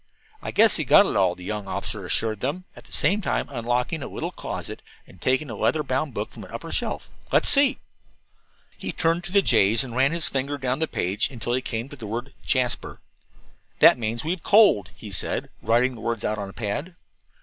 "I guess he got it all," the young officer assured them, at the same time unlocking a little closet and taking a leather bound book from an upper shelf. "Let's see." He turned to the J's and ran his finger down the page until he came to the word "JASPER." "That means 'We have coaled,'" he said, writing the words out on the pad.